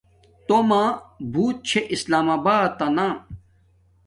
تومہ بوت چھے اسلام آباتنا